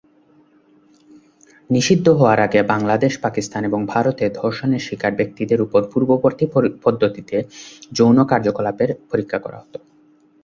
নিষিদ্ধ হওয়ার আগে বাংলাদেশ, পাকিস্তান এবং ভারতে ধর্ষণের শিকার ব্যক্তিদের উপর পূর্ববর্তী পদ্ধতিতে যৌন কার্যকলাপের পরীক্ষা করা হত।